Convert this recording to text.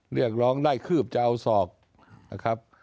เรียกร้องได้คืบจะเอาศอกนะครับ